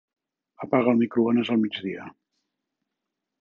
Apaga el microones al migdia.